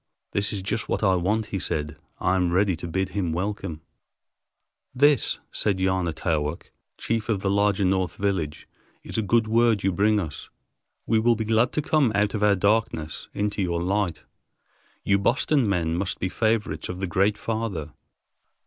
"This is just what I want," he said. "I am ready to bid him welcome." "This," said Yana Taowk, chief of the larger north village, "is a good word you bring us. We will be glad to come out of our darkness into your light. You Boston men must be favorites of the Great Father.